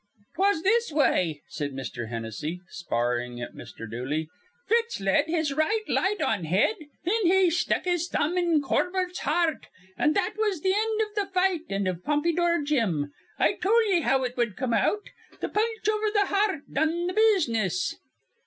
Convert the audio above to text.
"'Twas this way," said Mr. Hennessy, sparring at Mr. Dooley. "Fitz led his right light on head, thin he stuck his thumb in Corbett's hear rt, an' that was th' end iv th' fight an' iv Pompydour Jim. I tol' ye how it wud come out. Th' punch over th' hear rt done th' business."